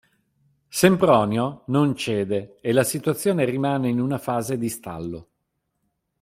Sempronio non cede e la situazione rimane in una fase di stallo.